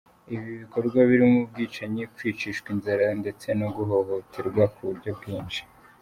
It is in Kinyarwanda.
Ibi bikorwa birimo ubwicanyi, kwicishwa inzara ndetse no guhohoterwa k’ uburyo bwinshi.